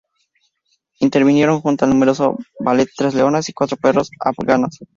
Intervinieron, junto al numeroso ballet, tres leonas y cuatro perros afganos.